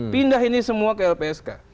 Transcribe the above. pindah ini semua ke lpsk